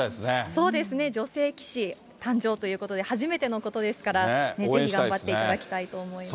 そうですね、女性棋士誕生ということで、初めてのことですから、ぜひ頑張っていただきたいと思います。